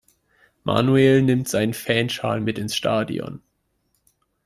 Manuel nimmt seinen Fanschal mit ins Stadion.